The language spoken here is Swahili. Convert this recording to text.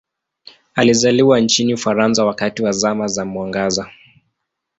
Alizaliwa nchini Ufaransa wakati wa Zama za Mwangaza.